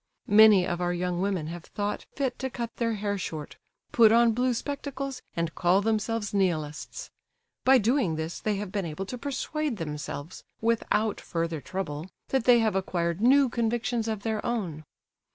Many of our young women have thought fit to cut their hair short, put on blue spectacles, and call themselves Nihilists. By doing this they have been able to persuade themselves, without further trouble, that they have acquired new convictions of their own.